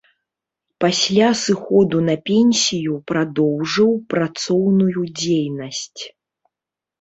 Пасля сыходу на пенсію, прадоўжыў працоўную дзейнасць.